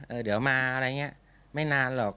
เดี๋ยวมาอะไรอย่างนี้ไม่นานหรอก